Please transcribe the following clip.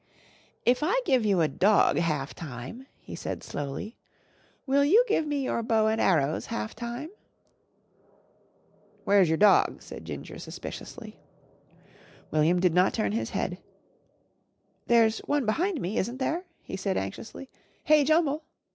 "If I give you a dog half time," he said slowly, "will you give me your bow and arrows half time?" "Where's your dog?" said Ginger suspiciously. William did not turn his head. "There's one behind me, isn't there," he said anxiously. "Hey, Jumble!"